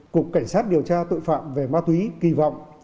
cục cảnh sát điều tra tội phạm về ma túy kỳ vọng